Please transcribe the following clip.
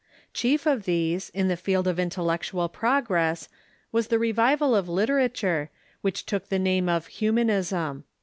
Chief of these, in the field of in LeHers' tellectual progress, was the revival of literature, which took the name of Humanism.